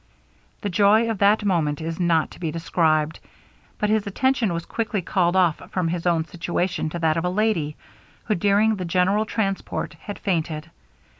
The joy of that moment is not to be described, but his attention was quickly called off from his own situation to that of a lady, who during the general transport had fainted.